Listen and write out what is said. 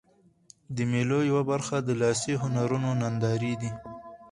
د مېلو یوه برخه د لاسي هنرونو نندارې دي.